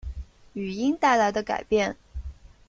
语音带来的改变